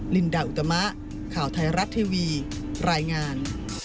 ลินดาอุตมะข่าวไทยรัฐทีวีรายงาน